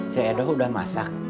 cedok udah masak